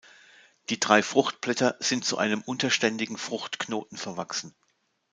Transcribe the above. Die drei Fruchtblätter sind zu einem unterständigen Fruchtknoten verwachsen.